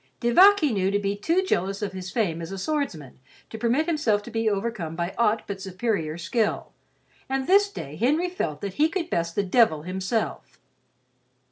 De Vac he knew to be too jealous of his fame as a swordsman to permit himself to be overcome by aught but superior skill, and this day Henry felt that he could best the devil himself.